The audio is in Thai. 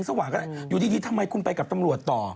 นั่งอยู่ที่ที่ทำไมกับตำรวจต่อ